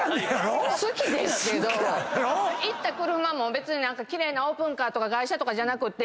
好きやろ⁉行った車も別に奇麗なオープンカーとか外車とかじゃなくて。